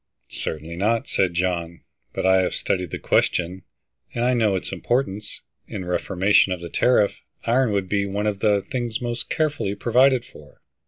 "Certainly not," said John. "But I have studied the question, and I know its importance. In a reformation of the tariff, iron would be one of the things most carefully provided for."